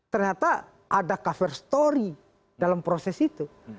ternyata ada cover story dalam proses itu